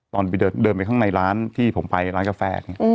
ตอนเดินไปข้างในร้านที่ผมไปร้านกาแฟ